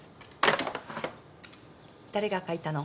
誰が書いたの？